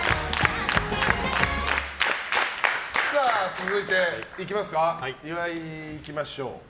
続いて岩井、いきましょう。